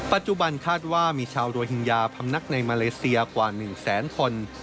ปัจจุบันคาดว่ามีชาวโรฮิงญาพำนักในมาเลเซียกว่า๑แสนคน